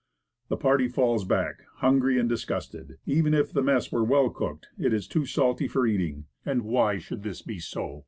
The party falls back, hungry and disgusted. Even if the mess were well cooked, it is too salt for eating. And why should this be so?